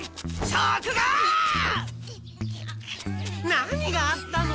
何があったの？